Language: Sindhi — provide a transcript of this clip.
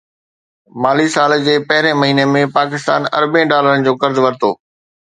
مالي سال جي پهرين مهيني ۾ پاڪستان اربين ڊالرن جو قرض ورتو